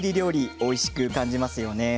おいしく感じますよね。